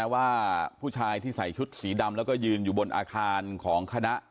ว่าผู้ชายที่ใส่ชุดสีดำแล้วก็ยืนอยู่บนอาคารของคณะ